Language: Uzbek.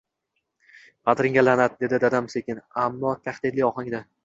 Padaringga la’nat! — dedi dadam sekin, ammo tahdidli ohangda.